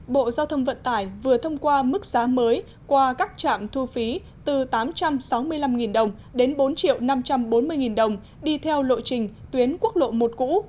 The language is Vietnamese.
bộ giao thông vận tải vừa thông qua mức giá mới qua các trạm thu phí từ tám trăm sáu mươi năm đồng đến bốn năm trăm bốn mươi đồng đi theo lộ trình tuyến quốc lộ một cũ